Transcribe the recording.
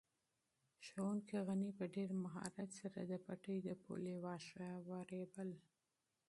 معلم غني په ډېر مهارت سره د پټي د پولې واښه رېبل.